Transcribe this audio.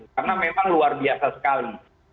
karena memang luar biasa sekali